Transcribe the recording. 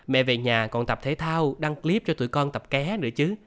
mẹ về nhà còn tập thể thao đăng clip cho tuổi con tập ké nữa chứ